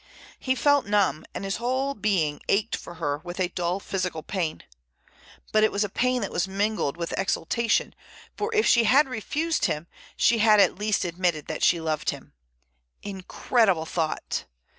He felt numb, and his whole being ached for her as with a dull physical pain. But it was a pain that was mingled with exultation, for if she had refused him, she had at least admitted that she loved him. Incredible thought!